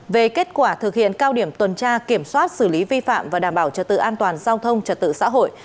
về kết quả thực hiện cao điểm tuần tra kiểm soát xử lý vi phạm và đảm bảo trật tự an toàn giao thông trật tự xã hội